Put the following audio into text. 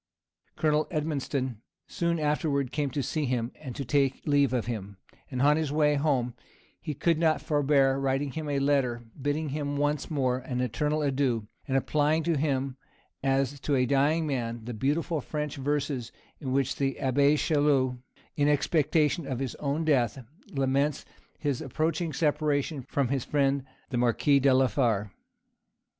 Colonel Edmonstone soon afterwards came to see him, and take leave of him; and on his way home he could not forbear writing him a letter, bidding him once more an eternal adieu, and applying to him, as to a dying man, the beautiful French verses in which the abbé Chaulieu in expectation of his own death, laments his approaching separation from his friend the marquis de la Fare.